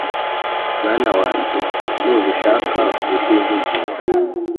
Mwana wanjye, nubishaka uzihugura,